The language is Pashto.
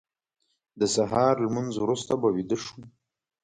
د سهار لمونځ وروسته به ویده شو.